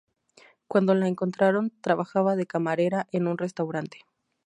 Cuando la encontraron, trabajaba de camarera en un restaurante.